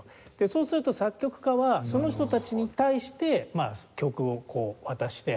そうすると作曲家はその人たちに対して曲をこう渡して。